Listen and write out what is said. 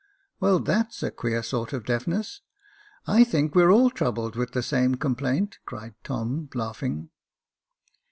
" Well, that's a queer sort of deafness ; I think we are all troubled with the same complaint," cried Tom, laugh ing.